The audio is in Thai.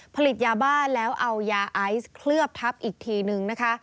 ผลิตยาบ้าแล้วเอายาไอศกลือบทับอีกทีหนึ่ง